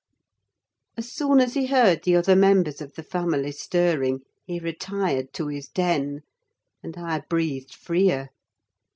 As soon as he heard the other members of the family stirring he retired to his den, and I breathed freer.